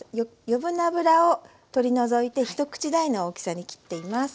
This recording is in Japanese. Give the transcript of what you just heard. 余分な脂を取り除いて一口大の大きさに切っています。